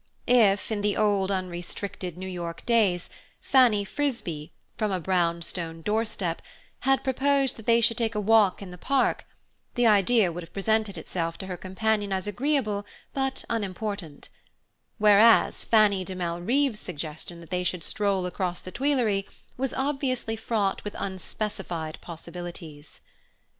If, in the old unrestricted New York days, Fanny Frisbee, from a brown stone door step, had proposed that they should take a walk in the Park, the idea would have presented itself to her companion as agreeable but unimportant; whereas Fanny de Malrive's suggestion that they should stroll across the Tuileries was obviously fraught with unspecified possibilities.